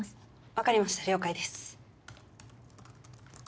分かりました了解です。